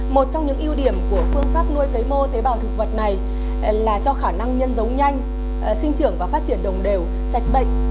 một trong những ưu điểm của phương pháp nuôi cấy mô tế bào thực vật này là cho khả năng nhân giống nhanh sinh trưởng và phát triển đồng đều sạch bệnh